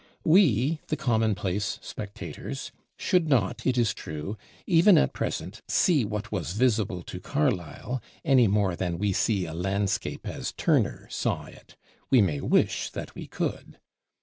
We the commonplace spectators should not, it is true, even at present see what was visible to Carlyle, any more than we see a landscape as Turner saw it. We may wish that we could.